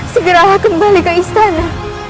segera kembali ke istana